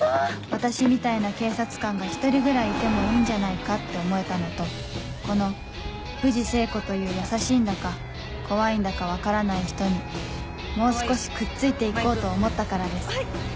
私みたいな警察官が１人ぐらいいてもいいんじゃないかって思えたのとこの藤聖子という優しいんだか怖いんだか分からない人にもう少しくっついて行こうと思ったからです